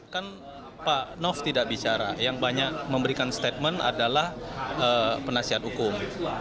kan pak nof tidak bicara yang banyak memberikan statement adalah penasihat hukum